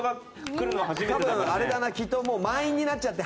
多分きっと満員になっちゃって